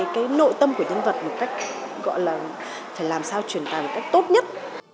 cái nội tâm của nhân vật một cách gọi là phải làm sao truyền tài một cách tốt nhất